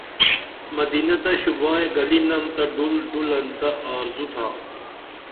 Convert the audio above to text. مدینہ تہ شوبائی گلی نم تہ ڈُل ڈُلن تہ آرزو تھا